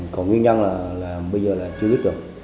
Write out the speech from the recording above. còn nguyên nhân là bây giờ là chưa biết được